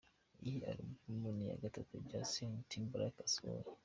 Iyi album ni iya gatatu Justin Timberlake asohoye.